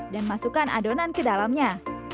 dan masukkan adonan ke dalamnya